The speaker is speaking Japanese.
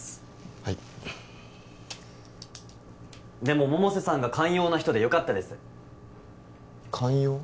はいでも百瀬さんが寛容な人でよかったです寛容？